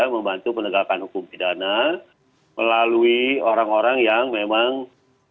membantu penegakan hukum pidana melalui orang orang yang memang